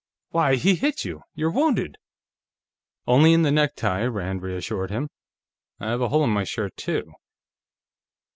"Why, he hit you! You're wounded!" "Only in the necktie," Rand reassured him. "I have a hole in my shirt, too."